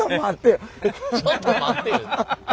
ちょっと待ってよ。